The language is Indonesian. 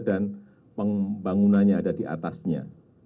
pembangunannya ada di atasnya